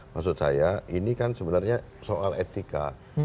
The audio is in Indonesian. maksud saya ini kan sebenarnya soal etika